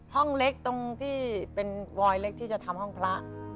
ห้องเล็กตรงที่เป็นวอยเล็กที่จะทำห้องพระ